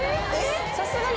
さすがに。